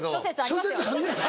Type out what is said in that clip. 諸説あんねんな。